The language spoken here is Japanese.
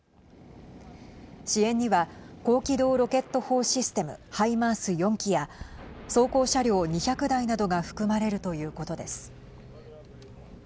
支援には高機動ロケット砲システム＝ハイマース４基や装甲車両２００台などが含まれるということです。